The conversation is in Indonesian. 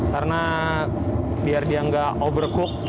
karena biar dia nggak overcook